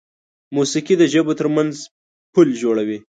موسیقي د ژبو تر منځ پل جوړوي.